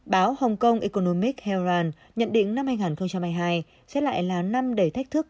báo hong kong economic herald nhận định năm hai nghìn hai mươi hai sẽ lại là năm đầy thách thức